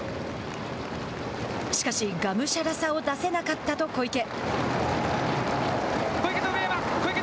しかし、がむしゃらさを出せなかったと小池。